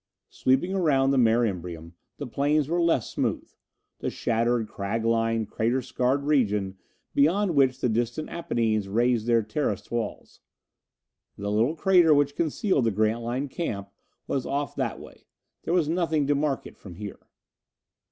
Sweeping around from the Mare Imbrium, the plains were less smooth the shattered, crag littered, crater scarred region beyond which the distant Apennines raised their terraced walls. The little crater which concealed the Grantline camp was off that way. There was nothing to mark it from here.